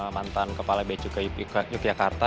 mantan kepala beacuka yogyakarta